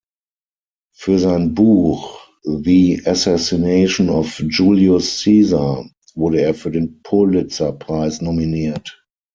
Für sein Buch "The Assassination of Julius Caesar" wurde er für den Pulitzer-Preis nominiert.